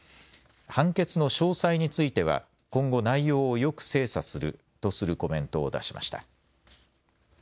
判決の詳細については今後、内容をよく精査するとするコメントを出しました。